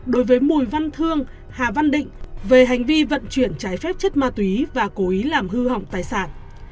đối với mùi văn thương hà văn định về hành vi vận chuyển trái phép chất ma túy và cố ý làm hư hỏng tài sản